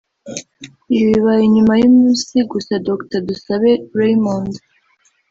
Ibi bibaye nyuma y’umunsi gusa Dr Dusabe Reyomond